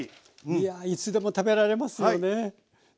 いやいつでも食べられますよね。